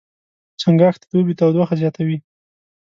چنګاښ د دوبي تودوخه زیاتوي.